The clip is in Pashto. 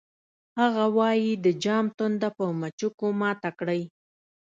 هغه وایی د جام تنده په مچکو ماته کړئ